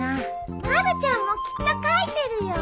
まるちゃんもきっと描いてるよ。